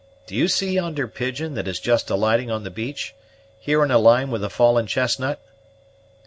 Do you see yonder pigeon that is just alightin' on the beach here in a line with the fallen chestnut?"